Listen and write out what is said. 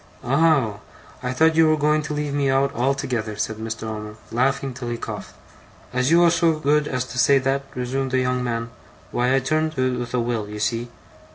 'Oh! I thought you were going to leave me out altogether,' said Mr. Omer, laughing till he coughed. ' As you was so good as to say that,' resumed the young man, 'why I turned to with a will, you see.